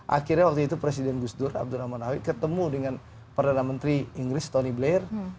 akhirnya waktu itu presiden gusdur abdul rahman nawid ketemu dengan perdana menteri inggris tony blair